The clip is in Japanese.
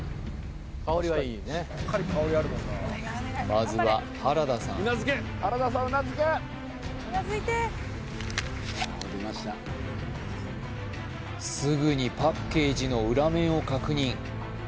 まずは原田さんすぐにパッケージの裏面を確認